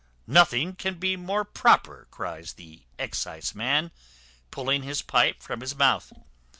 "Nothing can be more proper," cries the exciseman, pulling his pipe from his mouth.